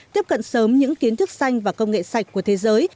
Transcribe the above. tiếp cận sớm những kiến thức xanh và công nghệ sạch của thế giới